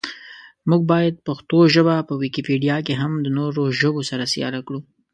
مونږ باید پښتو ژبه په ویکیپېډیا کې هم د نورو ژبو سره سیاله کړو.